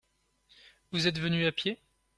Vous êtes venu à pied ?